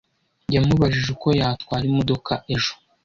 Yamubajije uko yatwara imodoka ejo.